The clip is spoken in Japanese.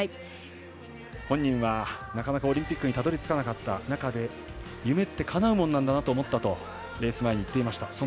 本人は、なかなかオリンピックにたどり着かなかった中で夢ってかなうもんなんだなと思ったとレース前にいっていました。